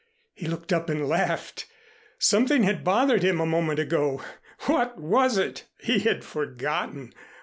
He looked up and laughed. Something had bothered him a moment ago. What was it? He had forgotten.